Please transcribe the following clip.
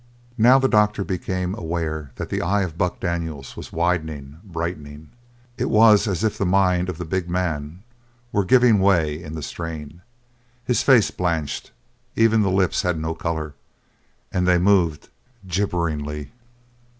Now the doctor became aware that the eye of Buck Daniels was widening, brightening; it was as if the mind of the big man were giving way in the strain. His face blanched. Even the lips had no colour, and they moved, gibberingly.